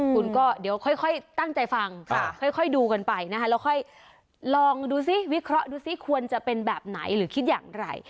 คุณก็เดี๋ยวค่อยตั้งใจฟังค่อยดูกันไปนะคะแล้วค่อยลองดูซิวิเคราะห์ดูซิควรจะเป็นแบบไหนหรือคิดอย่างไร